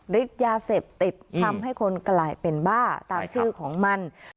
ฤทธิ์ยาเสพติดทำให้คนกลายเป็นบ้าตามชื่อของมัน